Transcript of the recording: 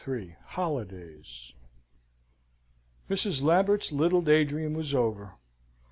Holidays Mrs. Lambert's little day dream was over.